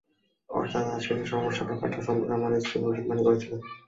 অর্থাৎ আজকের এই সমস্যার ব্যাপারটি সম্পর্কে আপনার স্ত্রী ভবিষ্যদ্বাণী করেছিলেন।